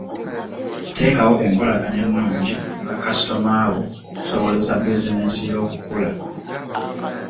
Teekawo enkolagana ennungi ne bakasitoma bo okusobozesa bizinensi yo okukula.